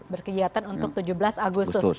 berkegiatan untuk tujuh belas agustus